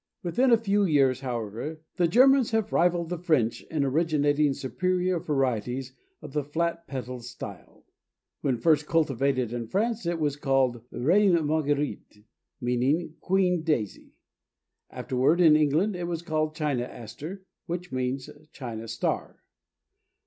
Within a few years, however, the Germans have rivaled the French in originating superior varieties of the flat petaled style. When first cultivated in France it was called Reine Marguerite, meaning Queen Daisy; afterward in England it was called China Aster, which means China Star.